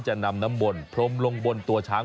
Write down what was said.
จะนำน้ำมนต์พรมลงบนตัวช้าง